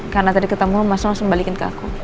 karena tadi ketemu mas al langsung balikin ke aku